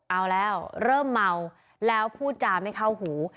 เอาแล้วเริ่มเมาแล้วพูดจาไม่เข้าหู